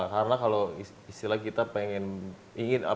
karena kalau istilah kita pengen